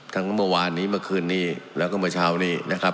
เมื่อวานนี้เมื่อคืนนี้แล้วก็เมื่อเช้านี้นะครับ